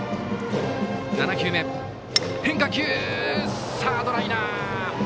変化球、サードライナー。